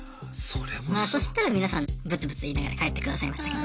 そしたら皆さんぶつぶつ言いながら帰ってくださいましたけど。